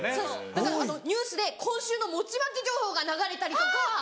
だからニュースで今週の餅まき情報が流れたりとか。